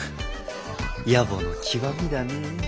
野暮の極みだねえ。